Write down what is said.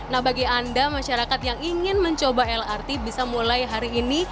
nah bagi anda masyarakat yang ingin mencoba lrt bisa mulai hari ini